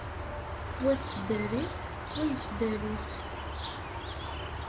Wa tesdari-t, wa yesdari-tt.